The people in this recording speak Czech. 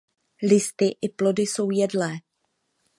Listy i plody jsou jedlé.